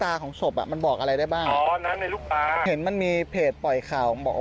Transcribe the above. ที่มีงานวิจัยแล้วทำกันเยอะนะก็จะเป็นส่วนเรื่องแอปโฮฮอล์